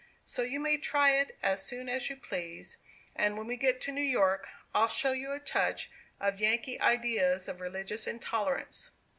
So you may try it as soon as you please; and, when we get to New York, I'll show you a touch of Yankee ideas of religious intolerance."